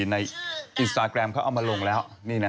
ในอินสตาแกรมเขาเอามาลงแล้ว